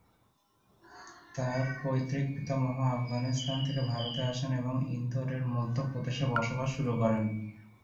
তার পৈতৃক পিতামহ আফগানিস্তান থেকে ভারতে আসেন এবং ইন্দোর এর মধ্য প্রদেশে বসবাস শুরু করেন।